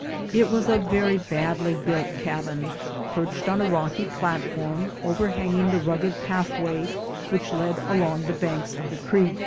It was a \nj badly built cabin perdied on a nxly idlatform overhanging the nigged pathway wbidi led along the banks of die cred